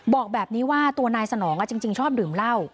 บอกแบบนี้ว่าตัวนายสนองจริงชอบดื่มเหล้า